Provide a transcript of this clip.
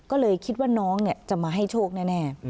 ก็เลยคิดว่าน้องจะมาให้โชคแน่